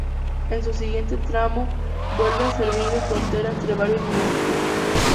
En su siguiente tramo, vuelve a servir de frontera entre varios municipios.